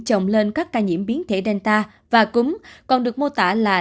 trồng lên các ca nhiễm biến thể delta và cũng còn được mô tả là